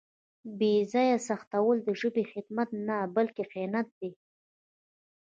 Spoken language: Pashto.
بې ځایه سختول د ژبې خدمت نه بلکې خیانت دی.